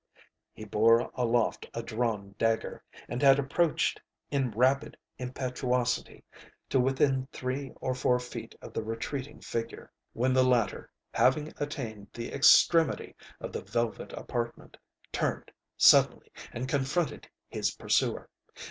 He bore aloft a drawn dagger, and had approached, in rapid impetuosity, to within three or four feet of the retreating figure, when the latter, having attained the extremity of the velvet apartment, turned suddenly and confronted his pursuer.